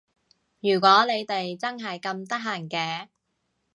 如果你哋真係咁得閒嘅